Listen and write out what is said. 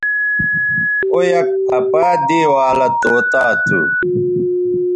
او یک پَھہ پہ دے والہ طوطا تھو